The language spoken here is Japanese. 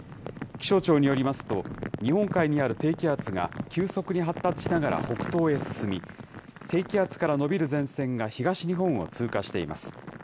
気象庁によりますと、日本海にある低気圧が急速に発達しながら北東へ進み、低気圧から延びる前線が東日本を通過しています。